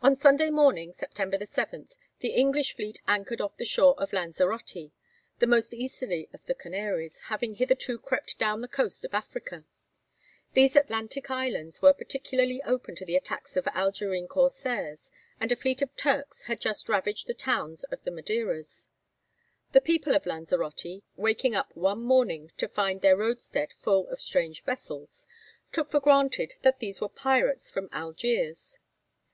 On Sunday morning, September 7, the English fleet anchored off the shore of Lanzarote, the most easterly of the Canaries, having hitherto crept down the coast of Africa. These Atlantic islands were particularly open to the attacks of Algerine corsairs, and a fleet of 'Turks' had just ravaged the towns of the Madeiras. The people of Lanzarote, waking up one morning to find their roadstead full of strange vessels, took for granted that these were pirates from Algiers.